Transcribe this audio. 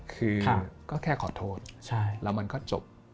คือก็แค่ขอโทษแล้วมันก็จบ